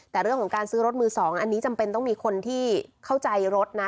แต่เรื่องของการซื้อรถมือสองอันนี้จำเป็นต้องมีคนที่เข้าใจรถนะ